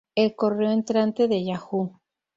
El correo entrante de Yahoo!